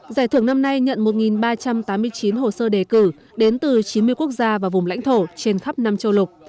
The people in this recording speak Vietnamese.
giải thưởng năm nay nhận một ba trăm tám mươi chín hồ sơ đề cử đến từ chín mươi quốc gia và vùng lãnh thổ trên khắp nam châu lục